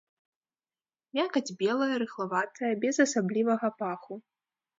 Мякаць белая, рыхлаватая, без асаблівага паху.